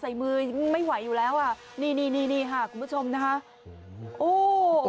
ใส่มือไม่ไหวอยู่แล้วอ่ะนี่คุณผู้ชมนะคะโอ้โห